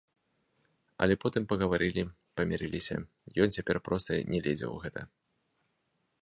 Але потым пагаварылі, памірыліся, ён цяпер проста не лезе ў гэта.